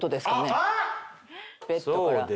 ベッドから。